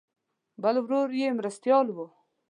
بل ورور یې مرستیال و.